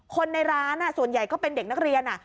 คนในร้านส่วนใหญ่ก็เป็นเด็กนักเรียน